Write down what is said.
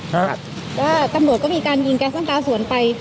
แล้วตำรวจก็มีการยิงแก๊สน้ำตาสวนไป